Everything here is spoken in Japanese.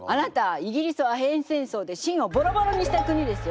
イギリスはアヘン戦争で清をボロボロにした国ですよ！